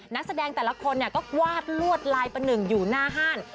นักแสดงแต่ละคนก็กวาดลวดลายประหนึ่งอยู่หน้าห้าน